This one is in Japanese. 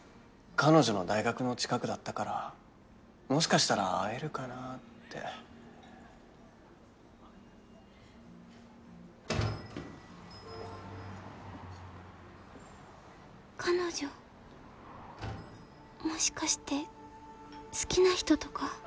彼女の大学の近くだったからもしかしたら会えるかなって彼女もしかして好きな人とか？